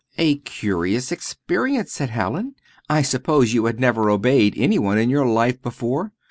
"A curious experience," said Hallin. "I suppose you had never obeyed any one in your life before?"